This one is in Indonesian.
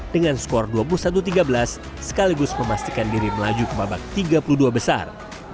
dengan skor dua puluh satu tiga belas sekaligus memastikan diri melaju ke babak tiga puluh dua besar